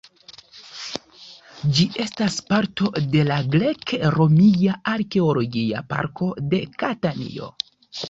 Ĝi estas parto de la Grek-Romia Arkeologia Parko de Katanio.